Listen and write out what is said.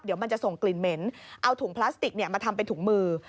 เดี๋ยวมันจะส่งกลิ่นเหม็นเอาถุงพลาสติกมาทำเป็นถุงมือ